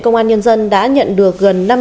công an nhân dân đã nhận được gần năm trăm linh